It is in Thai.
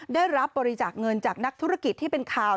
ได้รับบริจาคเงินจากนักธุรกิจที่เป็นข่าว